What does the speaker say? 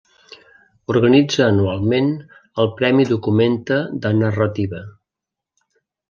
Organitza anualment el Premi Documenta de Narrativa.